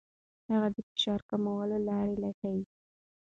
هغه د فشار کمولو لارې لټوي.